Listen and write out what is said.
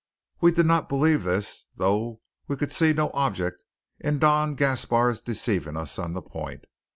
We did not believe this, though we could see no object in Don Gaspar's deceiving us on the point.